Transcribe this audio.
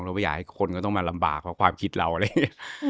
ไม่อยากให้คนก็ต้องมาลำบากเพราะความคิดเราอะไรอย่างนี้